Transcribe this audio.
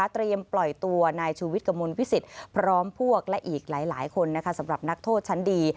เตรียมปล่อยตัวนายชูวิทกมลวิสิตพร้อมพวกและอีกหลายคนสำหรับนักโทษชั้นดี